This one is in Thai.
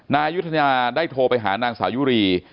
นายุธยาได้โทรไปหานางสาวยุรี